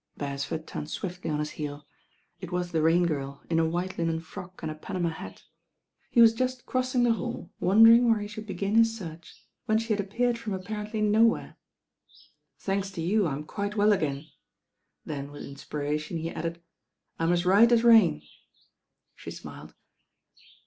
Beresford turned swiftly on his heel. It was the Rain Girl in a white linen frock and a panama hat. He was just crossing the hall wondering where he should be^n his search, when she had appeared from apparently nowhere. "Thanks to you; I am quite well again." Then with inspiration he added, "I'm as right as rain." She smiled.